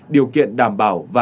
điều kiện đảm bảo và giải quyết